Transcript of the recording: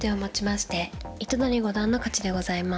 糸谷五段の勝ちでございます。